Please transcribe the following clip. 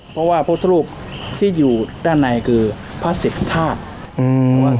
เพราะว่าพวกทฤพธิบายที่อยู่ด้านในคือพระศิษย์ธาตุอืม